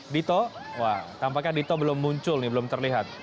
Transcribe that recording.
dito wah tampaknya dito belum muncul nih belum terlihat